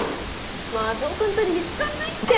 まあそう簡単に見つかんないって。